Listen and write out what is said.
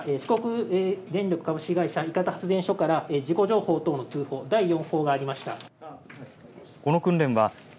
四国電力伊方発電所から事故情報等の通報第４報がありました。